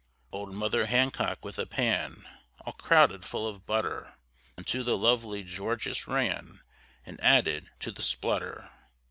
Old mother Hancock with a pan All crowded full of butter, Unto the lovely Georgius ran, And added to the splutter.